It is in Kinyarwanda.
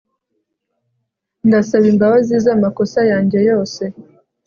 ndasaba imbabazi z'amakosa yanjye yose